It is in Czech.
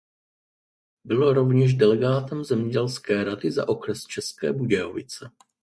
Byl rovněž delegátem zemědělské rady za okres České Budějovice.